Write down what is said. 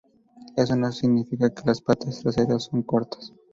Eso no significa que las patas traseras son cortas.